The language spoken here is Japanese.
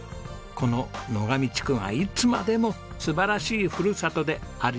この野上地区がいつまでも素晴らしいふるさとでありますようにと。